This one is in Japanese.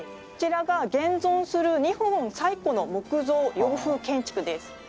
こちらが現存する日本最古の木造洋風建築です。